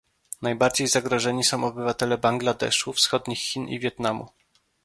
Najbardziej zagrożeni są obywatele Bangladeszu, wschodnich Chin i Wietnamu